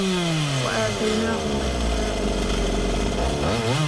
وآتيناهما الكتاب المستبين